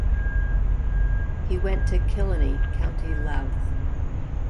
He went to Killanny, County Louth.